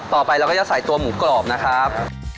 ต่อไปเราก็จะใส่ตัวหมูกรอบนะครับ